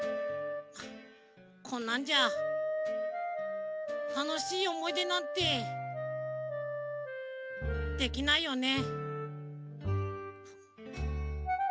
こんなんじゃたのしいおもいでなんてできないよね。